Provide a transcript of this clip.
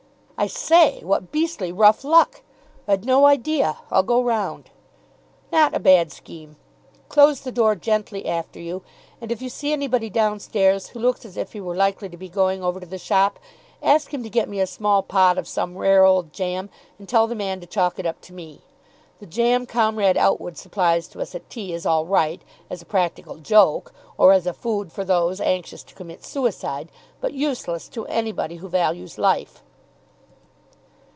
"I say, what beastly rough luck! I'd no idea. I'll go round." "Not a bad scheme. Close the door gently after you, and if you see anybody downstairs who looks as if he were likely to be going over to the shop, ask him to get me a small pot of some rare old jam and tell the man to chalk it up to me. The jam Comrade Outwood supplies to us at tea is all right as a practical joke or as a food for those anxious to commit suicide, but useless to anybody who values life."